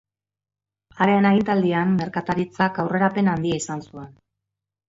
Haren agintaldian merkataritzak aurrerapen handia izan zuen.